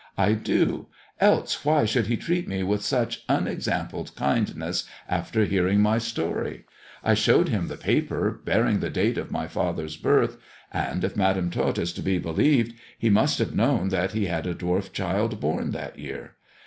" I do. Else why should he treat me with such unex ampled kindness after hearing my story 1 I showed him the paper bearing the date of my father's birth, and if Madam Tot is to be believed, he must have known that he THE dwarf's chamber 109 had a dwarf child born that year.